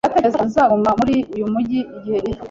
Ndatekereza ko nzaguma muri uyu mujyi igihe gito.